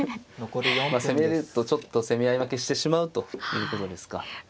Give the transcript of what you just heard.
まあ攻めるとちょっと攻め合い負けしてしまうということですか。